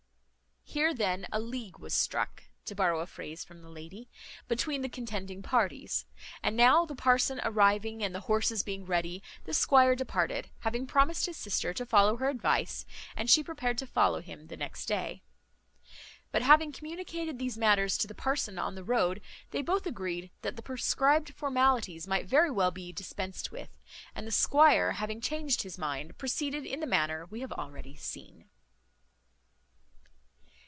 Here then a league was struck (to borrow a phrase from the lady) between the contending parties; and now the parson arriving, and the horses being ready, the squire departed, having promised his sister to follow her advice, and she prepared to follow him the next day. But having communicated these matters to the parson on the road, they both agreed that the prescribed formalities might very well be dispensed with; and the squire, having changed his mind, proceeded in the manner we have already seen.